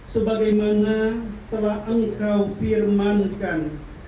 sebagaimana telah engkau firmankan